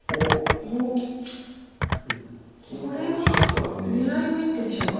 これは狙いの一手でしょうか。